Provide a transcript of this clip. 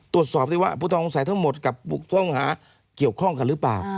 ตรวจสอบสิว่าผู้ต้องสงสัยทั้งหมดกับผู้ต้องหาเกี่ยวข้องกันหรือเปล่า